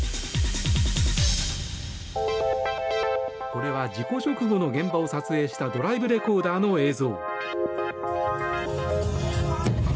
これは事故直後の現場を撮影したドライブレコーダーの映像。